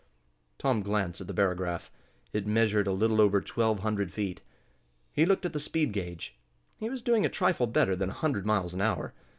Tom glanced at the barograph. It registered a little over twelve hundred feet. He looked at the speed gage. He was doing a trifle better than a hundred miles an hour.